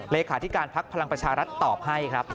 เลขาธิการพักพลังประชารัฐตอบให้ครับ